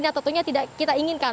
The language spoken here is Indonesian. yang tentunya tidak kita inginkan